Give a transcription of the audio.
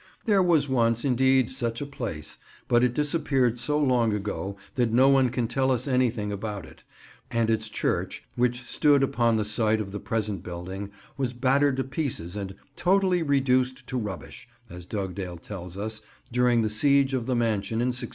There was once, indeed, such a place, but it disappeared so long ago that no one can tell us anything about it, and its church, which stood upon the site of the present building, was battered to pieces and "totally reduced to rubbish," as Dugdale tells us, during the siege of the mansion in 1644.